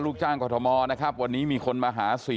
ลุคจ้างเกาะธมไม่มีโบนัสมา๒ปีแล้ว